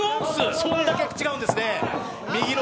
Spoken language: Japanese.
それだけ違うんですね。